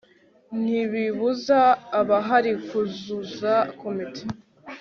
ntibibuza abahari kuzuza komite